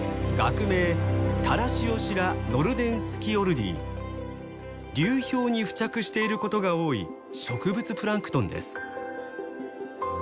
学名流氷に付着していることが多い植物プランクトンです。